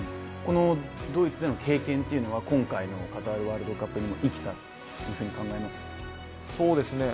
ドイツでの経験というのは今回のカタールワールドカップに生きたと考えますか？